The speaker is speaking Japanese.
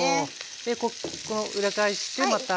で裏返してまた３０秒。